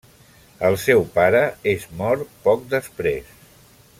El seu pare es mor poc després.